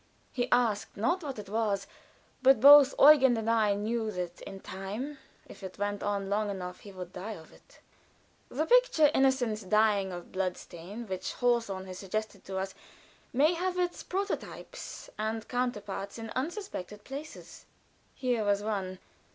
He asked not what it was; but both Eugen and I knew that in time, if it went on long enough, he would die of it. The picture, "Innocence Dying of Blood stain," which Hawthorne has suggested to us, may have its prototypes and counterparts in unsuspected places. Here was one.